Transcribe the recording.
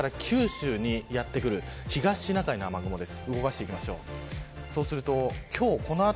九州にやってくる東シナ海の雨雲です。